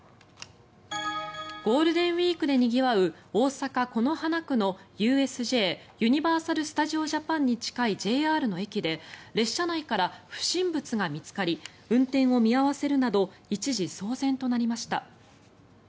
ゴールデンウィークでにぎわう大阪・此花区のＵＳＪ＝ユニバーサル・スタジオ・ジャパンに近いＪＲの駅で列車内から不審物が見つかり運転を見合わせるなど一時、騒然となりました。